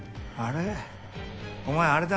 あれ？